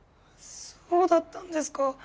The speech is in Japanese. そうだったんですか。